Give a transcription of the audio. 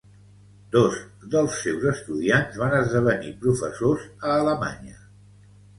Dos dels seus estudiants van esdevenir professors a Alemanya.